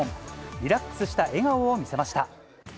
リラックスした笑顔を見せました。